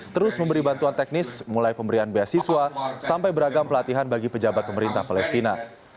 terus memberi bantuan teknis mulai pemberian beasiswa sampai beragam pelatihan bagi pejabat pemerintah palestina